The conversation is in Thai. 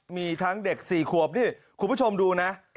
มีทั้งเด็ก๔ขวบนี่คุณผู้ชมดูนะ